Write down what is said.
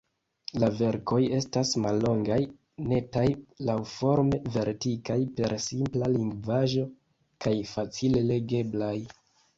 La verkoj estas mallongaj, netaj laŭforme, verkitaj per simpla lingvaĵo kaj facile legeblaj.